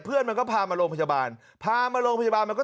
มันก็พามาโรงพยาบาลพามาโรงพยาบาลมันก็